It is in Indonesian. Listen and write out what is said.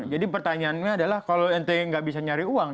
jadi pertanyaannya adalah kalau enteng nggak bisa nyari uang